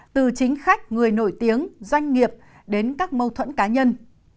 từ chính khách người nổi tiếng doanh nghiệp đến các mâu thuẫn cá nhân